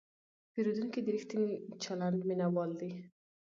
پیرودونکی د ریښتیني چلند مینهوال دی.